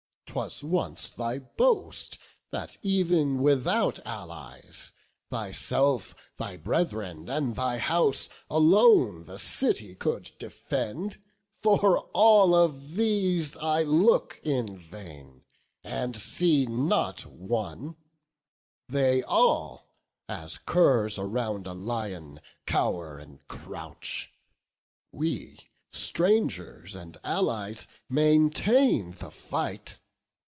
'Twas once thy boast that ev'n without allies Thyself, thy brethren, and thy house, alone The city could defend: for all of these I look in vain, and see not one; they all, As curs around a lion, cow'r and crouch: We, strangers and allies, maintain the fight.